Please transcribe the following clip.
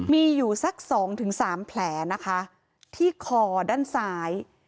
มีอยู่สัก๒๓แผลนะคะที่คอด้านซ้าย